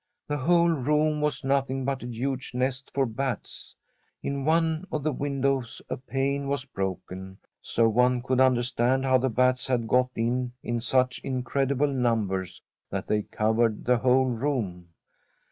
The whole room was nothing but a huge nest for bats. In one of the windows a pane was broken^ so one could understand how the bats had got in in such in credible numbers that they covered the whole room.